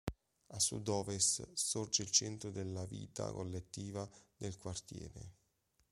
A sud-ovest sorge il centro della vita collettiva del quartiere.